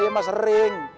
iya mah sering